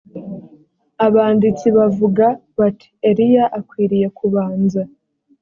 abanditsi bavuga bati eliya akwiriye kubanza